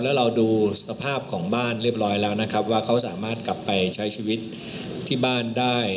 แล้วเราดูสภาพของบ้านเรียบร้อยแล้วนะครับว่าเขาสามารถกลับไปใช้ชีวิตที่บ้านได้